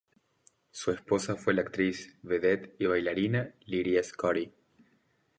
Su esposa fue la actriz, vedette y bailarina Lydia Scotty.